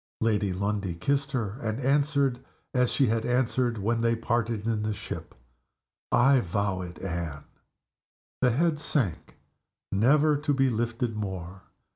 Lady Lundie kissed her, and answered, as she had answered when they parted in the ship, "I vow it, Anne!" The head sank, never to be lifted more.